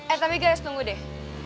eh tapi guys tunggu deh